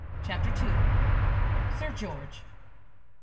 CHAPTER II. SIR GEORGE.